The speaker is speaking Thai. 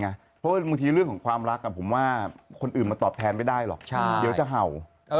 เพราะว่าบางทีเรื่องของความรักผมว่าคนอื่นมาตอบแทนไม่ได้หรอกเดี๋ยวจะเห่า